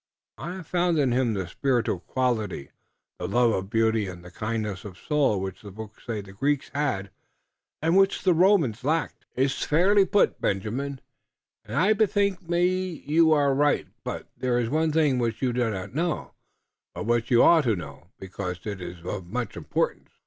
I have found in him the spiritual quality, the love of beauty and the kindliness of soul which the books say the Greeks had and which the Romans lacked." "It iss fairly put, Benjamin, und I bethink me you are right. But there iss one thing which you do not know, but which you ought to know, because it iss of much importance."